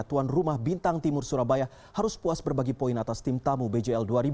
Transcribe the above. tuan rumah bintang timur surabaya harus puas berbagi poin atas tim tamu bjl dua ribu dua puluh